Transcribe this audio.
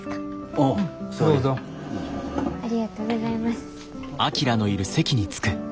ありがとうございます。